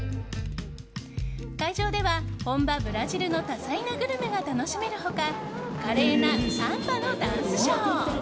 会場では本場ブラジルの多彩なグルメが楽しめる他華麗なサンバのダンスショー